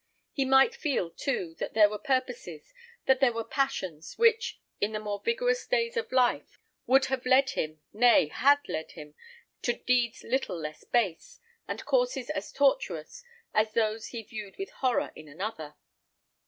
He might feel, too, that there were purposes, that there were passions, which, in the more vigorous days of life, would have led him, nay, had led him, to deeds little less base, and courses as tortuous as those which he viewed with horror in another.